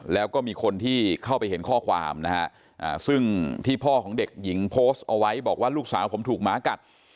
แล้วก็มีคนที่เข้าไปเห็นข้อความนะฮะซึ่งที่พ่อของเด็กหญิงโพสต์เอาไว้บอกว่าลูกสาวผมถูกหมากัด